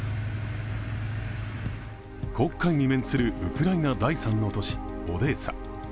黒海に面するウクライナ第３の都市、オデーサ。